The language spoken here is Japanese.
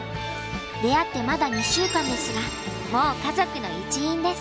出会ってまだ２週間ですがもう家族の一員です。